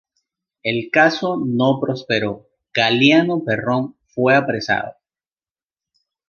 El caso no prosperó, Galeano Perrone fue apresado.